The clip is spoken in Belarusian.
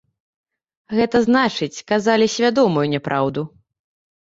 Гэта значыць, казалі свядомую няпраўду.